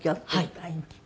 はい。